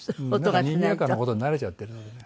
にぎやかな事に慣れちゃってるんでね。